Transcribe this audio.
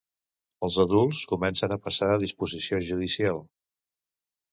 Els adults comencen a passar a disposició judicial.